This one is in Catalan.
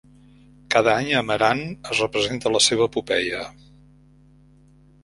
Cada any, a Meran, es representa la seva epopeia.